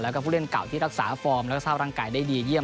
แล้วก็ผู้เล่นเก่าที่รักษาฟอร์มแล้วก็สร้างร่างกายได้ดีเยี